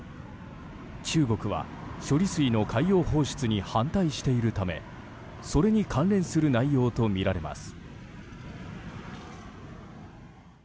中国は処理水の海洋放出に反対しているためそれに関連する内容とみられます。